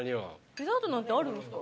デザートあるんですか？